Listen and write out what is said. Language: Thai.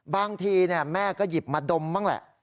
บางทีแม่ก็หยิบมาดมบ้างแหละ